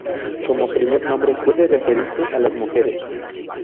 Como primer nombre, puede referirse a las mujeres.